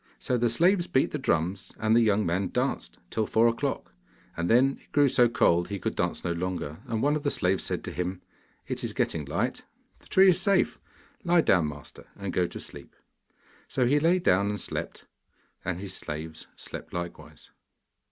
So the slaves beat the drums, and the young man danced till four o'clock, and then it grew so cold he could dance no longer, and one of the slaves said to him: 'It is getting light; the tree is safe; lie down, master, and go to sleep.' So he lay down and slept, and his slaves slept likewise.